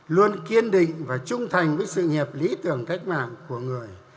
luôn kiên định và trung thành với sự nghiệp lý tưởng cách mạng của người